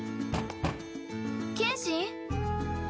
剣心？